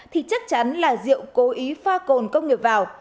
thì chắc chắn là rượu cố ý pha cồn công nghiệp vào